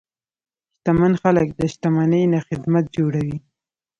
شتمن خلک د شتمنۍ نه خدمت جوړوي.